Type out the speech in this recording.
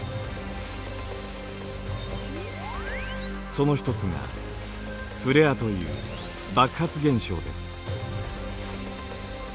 その一つがフレアという爆発現象です。